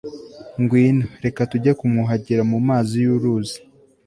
ngwino, reka tujye kumwuhagira mu mazi y'uruzi